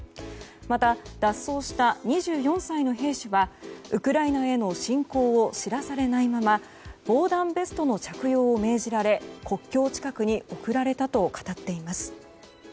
また、脱走した２４歳の兵士はウクライナへの侵攻を知らされないまま防弾ベストの着用を命じられ国境近くに送られたと語っています。